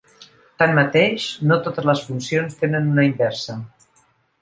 Tanmateix, no totes les funcions tenen una inversa.